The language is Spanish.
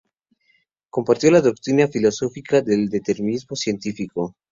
Compartió la doctrina filosófica del determinismo científico.